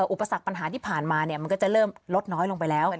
อุปสรรคปัญหาที่ผ่านมามันก็จะเริ่มลดน้อยลงไปแล้ว